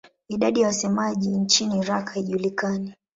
Idadi ya wasemaji nchini Iraq haijulikani.